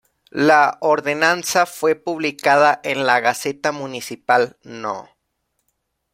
La ordenanza fue publicada en la Gaceta Municipal No.